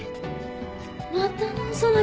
また直さなきゃ。